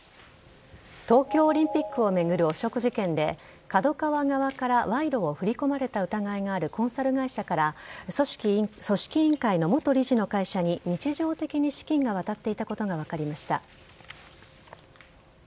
東京オリンピックを巡る汚職事件でＫＡＤＯＫＡＷＡ側から賄賂を振り込まれた疑いがあるコンサル会社から組織委員会の元理事の会社に日常的に資金が渡っていたことが分かりました。